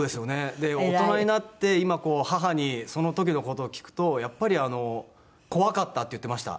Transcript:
で大人になって今母にその時の事を聞くとやっぱり「怖かった」って言ってました。